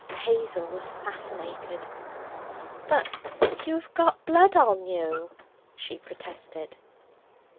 Hazel was fascinated. 'But you've got blood on you!' she protested.